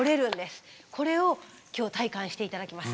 これを今日体感して頂きます。